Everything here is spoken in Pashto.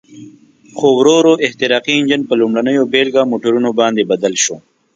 خو ورو ورو احتراقي انجن په لومړنیو بېلګه موټرونو باندې بدل شو.